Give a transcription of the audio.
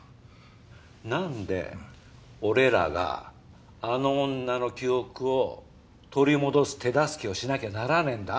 なんで俺らがあの女の記憶を取り戻す手助けをしなきゃならねえんだ？